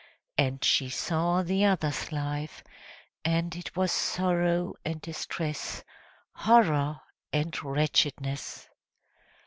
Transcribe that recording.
And she saw the other's life, and it was sorrow and distress, horror, and wretchedness.